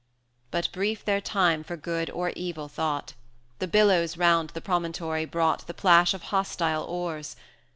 X. But brief their time for good or evil thought; The billows round the promontory brought The plash of hostile oars.